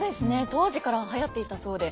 当時からはやっていたそうで。